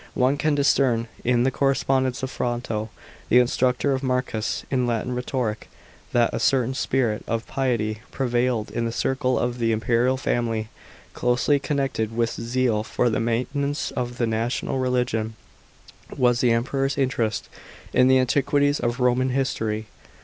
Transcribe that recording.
* One can discern in the Correspondence of Fronto, the instructor of Marcus in Latin rhetoric, that a certain spirit of piety prevailed in the circle of the imperial family. Closely con nected with zeal for the maintenance of the national religion, was the Emperor's interest in the antiquities of Roman history.